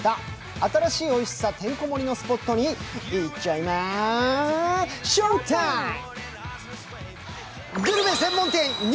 新しいおいしさてんこ盛りのスポットに行っちゃいまＳＨＯＷＴＩＭＥ！